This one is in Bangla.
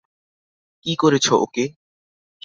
কী করেছ ওকে?